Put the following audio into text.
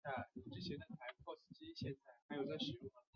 宗城之战发生于五代后晋天福六年击败安重荣。